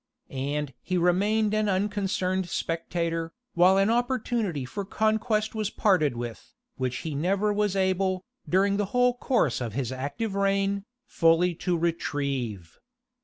And he remained an unconcerned spectator, while an opportunity for conquest was parted with, which he never was able, during the whole course of his active reign, fully to retrieve.